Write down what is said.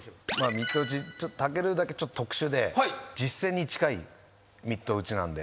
ミット打ち武尊だけちょっと特殊で実戦に近いミット打ちなんで。